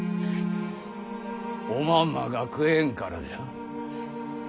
おまんまが食えんからじゃ。